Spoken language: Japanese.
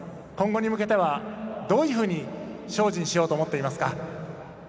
今後に向けてはどういうふうに精進しようと思っていますか？